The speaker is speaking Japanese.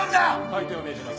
退廷を命じます。